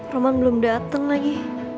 roman belum dateng lagi